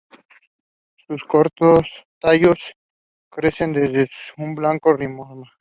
Sus cortos tallos crecen desde un blanco rizoma.